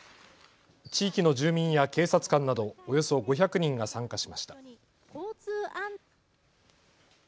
地域の住民や警察官などおよそ５００人が参加しました。